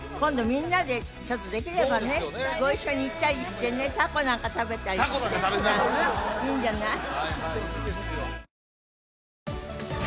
みんなでちょっとできればねご一緒に行ったりしてねタコなんか食べたりしてタコなんか食べたりねいいんじゃない？